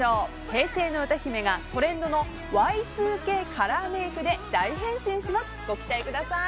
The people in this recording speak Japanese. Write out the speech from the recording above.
平成の歌姫がトレンドのＹ２Ｋカラーメイクで大変身します。